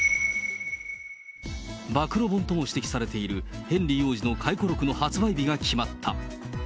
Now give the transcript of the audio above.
暴露本とも指摘されている、ヘンリー王子の回顧録の発売日が決まった。